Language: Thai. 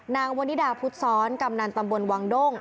นางวันนิดาพุทธซ้อนกำนันตำบลวังด้ง